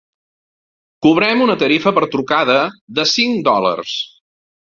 Cobrem una tarifa per trucada de cinc dòlars.